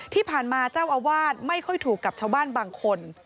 ที่ผ่านมาเจ้าอาวาสไม่ค่อยถูกกับชาวบ้านบางคน